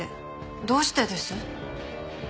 どうしてです？